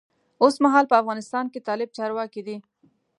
اوسمهال په افغانستان کې طالب چارواکی دی.